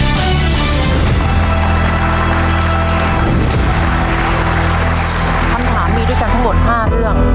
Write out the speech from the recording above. คำถามมีด้วยกันทั้งหมด๕เรื่อง